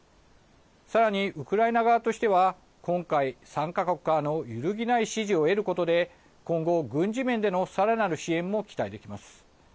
さらに、ウクライナ側としては今回３か国からの揺るぎない支持を得ることで今後、軍事面でのさらなる支援も期待できます。